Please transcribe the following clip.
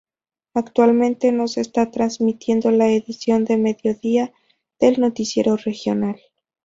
Actualmente no se está transmitiendo la edición de mediodía del noticiero regional.